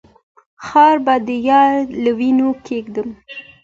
خال به د يار له وينو کېږدم